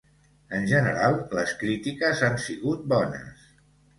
En general, les crítiques han sigut bones.